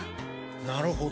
なるほど。